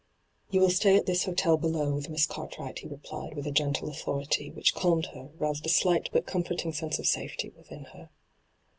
' You will stay at this hotel below with Miss Gartwright,' he replied with a gentle authority, which calmed her, roused a slight but comforting sense of safety within her.